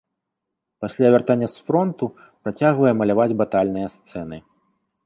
Пасля вяртання з фронту працягвае маляваць батальныя сцэны.